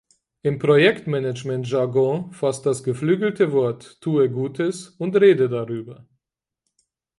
Im Projektmanagement-Jargon fasst das geflügelte Wort "Tue Gutes und rede darüber!